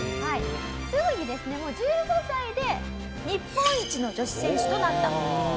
すぐにですねもう１５歳で日本一の女子選手となった。